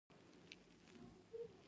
قاتل د خپلې کورنۍ نوم هم خرابوي